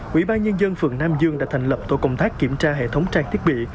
quỹ ban nhân dân phường nam dương đã thành lập tổ công tác kiểm tra hệ thống trang thiết bị